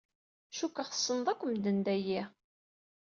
Cukkeɣ tessneḍ akk medden dayi.